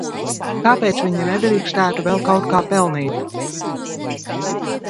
Kāpēc viņi nedrīkstētu vēl kaut kā pelnīt?